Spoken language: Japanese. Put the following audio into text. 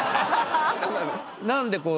何でこう